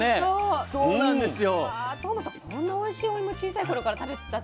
そうなんですよ。